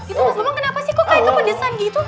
itu mas emang kenapa sih kok kaya itu pedesan gitu